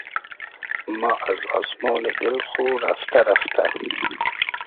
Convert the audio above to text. ما از آسمۉنی دیل خو رئفتۂ رئفتۂ